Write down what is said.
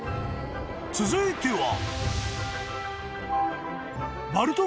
［続いては］